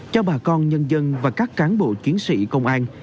cho bà con nhân dân và các cán bộ chiến sĩ công an